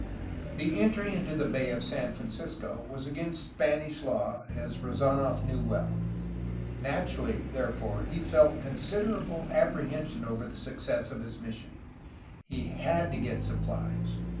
The entry into the Bay of San Francisco was against Spanish law, as Rezanof well knew. Naturally, therefore, he felt considerable apprehension over the success of his mis sion. He had to get supplies!